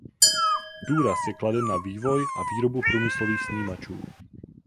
Důraz je kladen na vývoj a výrobu průmyslových snímačů.